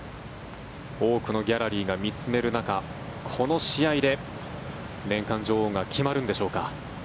多くのギャラリーが見つめる中この試合で年間女王が決まるのでしょうか。